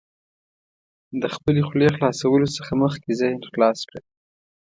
د خپلې خولې خلاصولو څخه مخکې ذهن خلاص کړه.